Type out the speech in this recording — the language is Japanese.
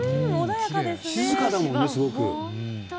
静かだもんね、すごく。